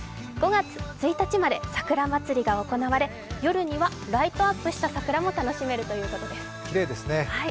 ５月１日まで桜祭りが行われ、夜にはライトアップした桜も楽しめるということです。